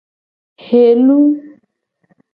Helu.